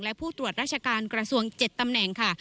และผู้ตรวจราชการกระทรวง๗ตำแหน่งค่ะ